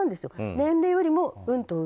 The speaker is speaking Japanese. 年齢よりもうんと上。